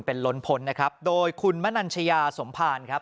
เป็นล้นพลนะครับโดยคุณมนัญชยาสมภารครับ